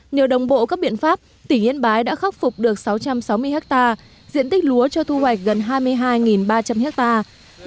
nhờ đồng bộ các biện pháp tỉnh yên bái đã khắc phục được sáu trăm sáu mươi hectare diện tích lúa cho thu hoạch gần hai mươi hai ba trăm linh hectare